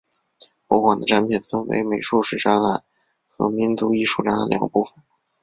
博物馆的展品分为美术史展览和民俗艺术展览两个部分。